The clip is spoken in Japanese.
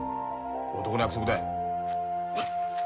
男の約束だよ。